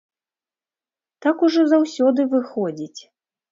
Так ужо заўсёды выходзіць.